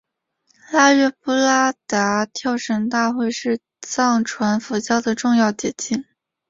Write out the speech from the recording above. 腊月布拉达跳神大会是藏传佛教的重要节庆。